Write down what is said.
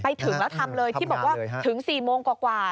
ไปถึงแล้วทำเลยที่บอกว่าถึง๔โมงกว่า